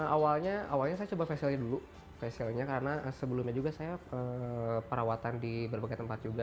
awalnya saya coba facial nya dulu karena sebelumnya juga saya perawatan di berbagai tempat juga